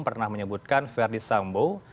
pernah menyebutkan verdi sambo